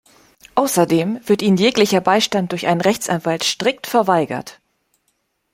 Außerdem wird ihnen jeglicher Beistand durch einen Rechtsanwalt strikt verweigert.